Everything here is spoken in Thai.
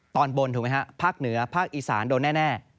ตอนบนถูกไหมฮะภาคเหนือภาคอีสานโดนแน่